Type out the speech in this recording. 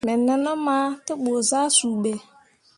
Me nenum ah te ɓu zah suu ɓe.